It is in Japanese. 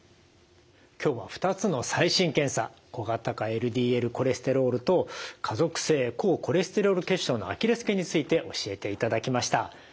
今日は２つの最新検査小型化ＬＤＬコレステロールと家族性高コレステロール血症のアキレス腱について教えていただきました。